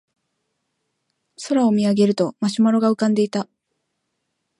空を見上げるとマシュマロが浮かんでいた